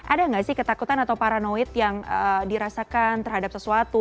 ada nggak sih ketakutan atau paranoid yang dirasakan terhadap sesuatu